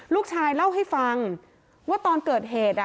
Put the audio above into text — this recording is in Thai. ลูกชายเล่าให้ฟังว่าตอนเกิดเหตุ